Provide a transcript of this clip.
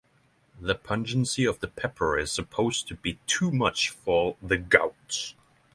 The pungency of the pepper is supposed to be too much for the gout.